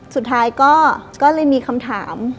สุดท้ายก็เลยมีคำถาม